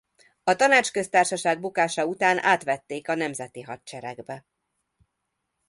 A Tanácsköztársaság bukása után átvették a Nemzeti Hadseregbe.